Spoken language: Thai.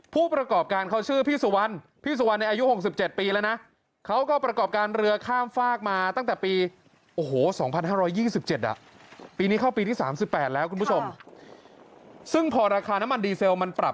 ผู้ประกอบการเขาชื่อพี่สุวรรณพี่สุวรรณในอายุ๖๗ปีแล้วนะ